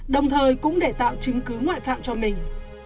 đồng thời cũng để tạo chứng cứ ngoại phạm cho mình